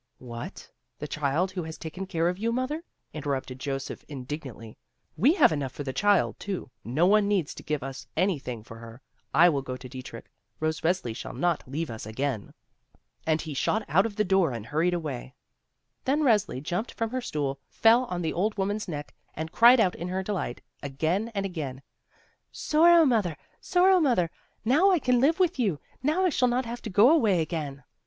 "What? The child who has taken care of you. Mother?" interrupted Joseph, indignantly. "We have enough for the child too, no one needs to give us anything for her. I will go to Die trich. Rose Resli shall not leave us again !" And he shot out of the door and hurried away. Then Resli jumped from her stool, fell on the old woman's neck, and cried out in her delight, again and again: "Sorrow mother! Sorrow mother! Now I can live with you! Now I shall not have to go away again!"